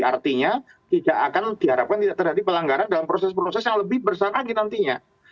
artinya tidak akan diharapkan tidak terjadi pelanggaran dalam proses proses yang lebih besar lagi nantinya